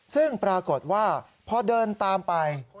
ซึ่งปรากฏว่าพอเดินตามไป